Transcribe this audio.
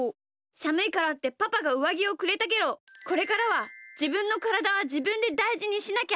さむいからってパパがうわぎをくれたけどこれからはじぶんのからだはじぶんでだいじにしなきゃダメだな！